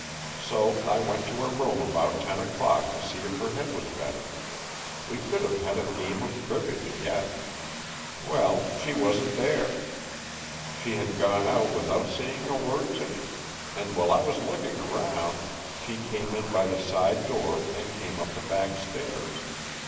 So I went to her room about ten o'clock to see if her head was better. We could have had a game of cribbage yet. Well, she wasn't there. She had gone out without saying a word to me. And while I was looking around she came in by the side door and came up the back stairs.